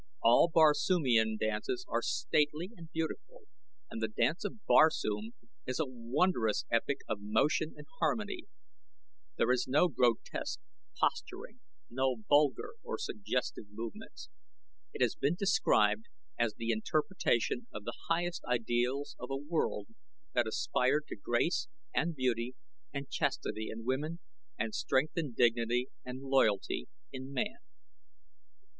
All Barsoomian dances are stately and beautiful, but The Dance of Barsoom is a wondrous epic of motion and harmony there is no grotesque posturing, no vulgar or suggestive movements. It has been described as the interpretation of the highest ideals of a world that aspired to grace and beauty and chastity in woman, and strength and dignity and loyalty in man.